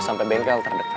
sampai bengkel terdekat